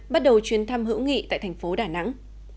bắt đầu chuyến thăm hữu nghị tại thành phố đà nẵng